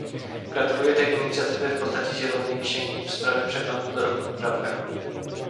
Gratuluję tej inicjatywy w postaci zielonej księgi w sprawie przeglądu dorobku prawnego